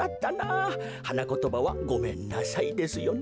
はなことばは「ごめんなさい」ですよね。